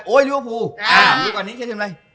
โอ้ยลีเวอร์ฟู